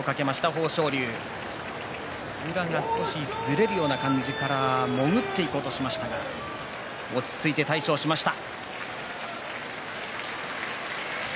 豊昇龍宇良が少しずれるような感じから潜っていこうとしましたが落ち着いて対処しました。